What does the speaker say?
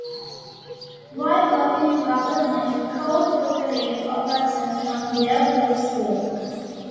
While working in government, Koh took a leave of absence from Yale Law School.